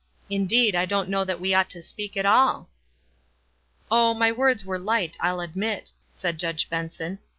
Indeed, I don't know that w T e ought to speak at all." "Oh, my words were light, I'll admit," said Judge Benson.